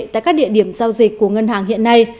tại các địa điểm giao dịch của ngân hàng hiện nay